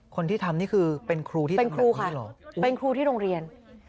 คนที่ทำนี่คือเป็นครูที่เป็นครูค่ะเป็นครูที่โรงเรียน